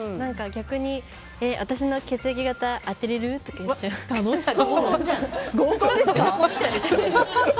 逆に私の血液型当てれる？とか言っちゃいます。